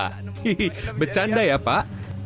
hihi becanda ya pak